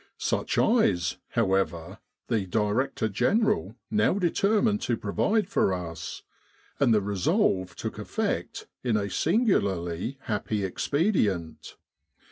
Such eyes, however, the Director General now determined to provide for us; and the resolve took effect in a singularly happy expedient.